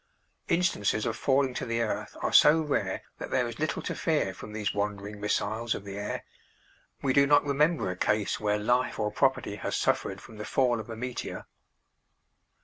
Instances of falling to the earth are so rare that there is little to fear from these wandering missiles of the air. We do not remember a case where life or property has suffered from the fall of a meteor.